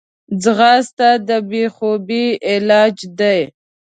ځغاسته د بېخوبي علاج دی